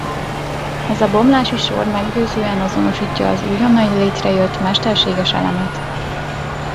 Ez a bomlási sor meggyőzően azonosítja az újonnan létrejött mesterséges elemet.